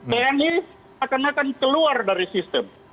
tni akan akan keluar dari sistem